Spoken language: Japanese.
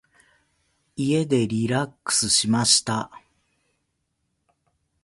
家でリラックスしました。